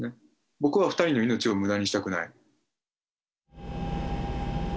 僕は２人の命をむだにしたくない。